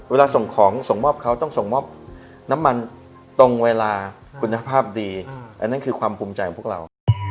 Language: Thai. เวลาส่งของส่งมอบเขาต้องส่งมอบน้ำมันตรงเวลาคุณภาพดีอันนั้นคือความภูมิใจของพวกเรา